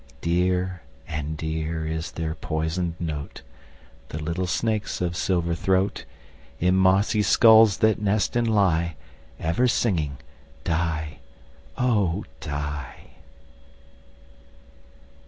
Dear and dear is their poisoned note, The little snakes' of silver throat, In mossy skulls that nest and lie, Ever singing "die, oh! die."